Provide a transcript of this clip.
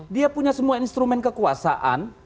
dia punya semua instrumen kekuasaan